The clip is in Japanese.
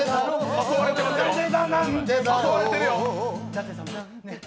誘われてるよ！